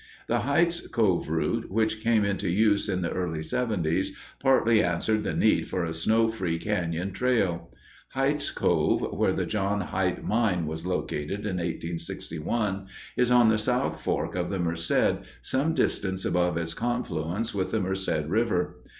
The Hite's Cove route, which came into use in the early 'seventies, partly answered the need for a snow free canyon trail. Hite's Cove, where the John Hite Mine was located in 1861, is on the South Fork of the Merced some distance above its confluence with the Merced River.